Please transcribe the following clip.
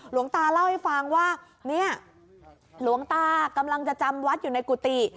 หลวงตาเล่าให้ฟังว่าเนี่ยหลวงตากำลังจะจำวัดอยู่ในกุฏิ